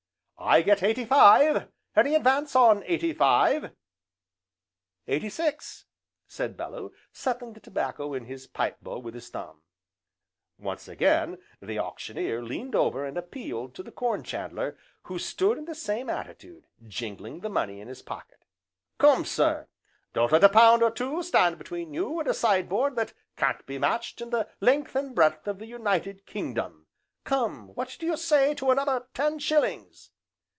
"I get eighty five! any advance on eighty five?" "Eighty six!" said Bellew, settling the tobacco in his pipe bowl with his thumb. Once again the Auctioneer leaned over and appealed to the Corn chandler, who stood in the same attitude, jingling the money in his pocket, "Come sir, don't let a pound or so stand between you and a side board that can't be matched in the length and breadth of the United Kingdom, come, what do you say to another ten shillings?"